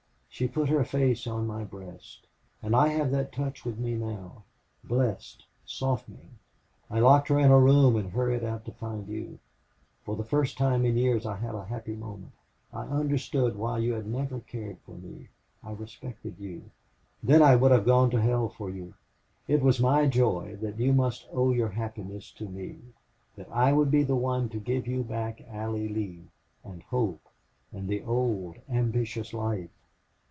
She put her face on my breast. And I have that touch with me now, blessed, softening. I locked her in a room and hurried out to find you. For the first time in years I had a happy moment. I understood why you had never cared for me. I respected you. Then I would have gone to hell for you. It was my joy that you must owe your happiness to me that I would be the one to give you back Allie Lee and hope, and the old, ambitious life.